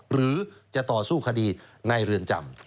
หรือจะต่อสู้คดีในเรือนจำ